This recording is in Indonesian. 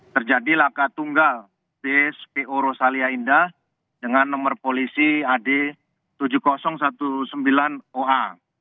terjadi laka tunggal di spo rosalia indah dengan nomor polisi ad tujuh ribu sembilan belas oa